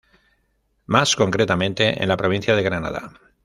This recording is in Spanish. Más concretamente en la provincia de Granada.